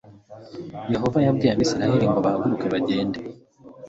yehova yabwiye abisirayeli ngo bahaguruke bagende